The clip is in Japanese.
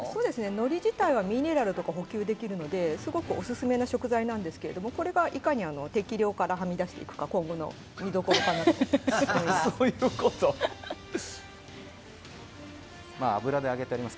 のり自体はミネラルとかが補給できるのですごくオススメな食材ですがこれがいかに適量からはみ出していくかが今後の見どころかなと思います。